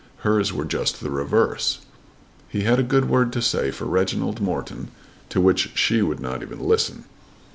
Hers were just the reverse. He had a good word to say for Reginald Morton, to which she would not even listen.